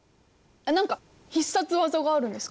何か必殺技があるんですか？